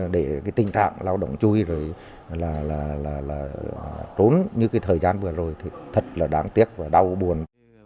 để tình trạng lao động chui trốn như thời gian vừa rồi thật là đáng tiếc và đau buồn